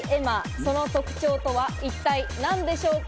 その特徴とは一体、何でしょうか？